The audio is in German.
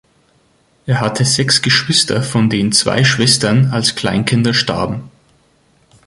Er hatte sechs Geschwister, von denen zwei Schwestern als Kleinkinder starben.